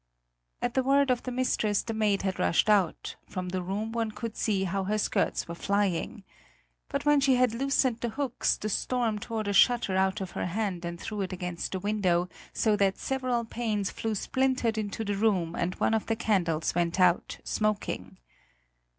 At the word of the mistress, the maid had rushed out; from the room one could see how her skirts were flying. But when she had loosened the hooks, the storm tore the shutter out of her hand and threw it against the window, so that several panes flew splintered into the room and one of the candles went out, smoking.